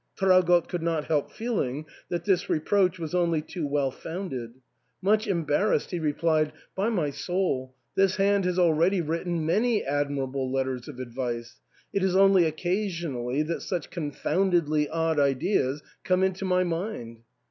Traugott could not help feeling that this reproach was only too well founded. Much em ARTHUR'S HALL. 327 barrassed, he replied, "By my soul, this hand has already written many admirable letters of advice ; it is only occasionally that such confoundedly odd ideas come into my mind."